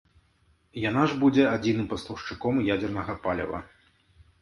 Яна ж будзе адзіным пастаўшчыком ядзернага паліва.